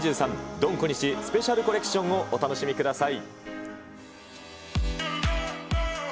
ドン小西スペシャルコレクションをお楽しみください。